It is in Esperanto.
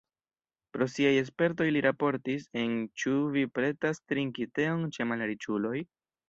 Pri siaj spertoj li raportis en "Ĉu vi pretas trinki teon ĉe malriĉuloj?".